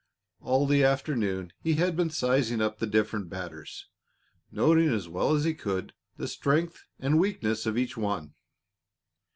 All the afternoon he had been sizing up the different batters, noting as well as he could the strength and weakness of each one.